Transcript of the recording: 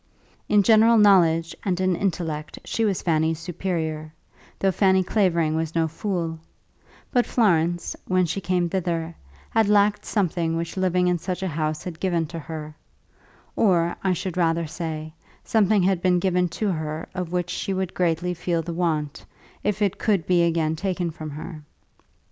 In general knowledge and in intellect she was Fanny's superior, though Fanny Clavering was no fool; but Florence, when she came thither, had lacked something which living in such a house had given to her; or, I should rather say, something had been given to her of which she would greatly feel the want, if it could be again taken from her.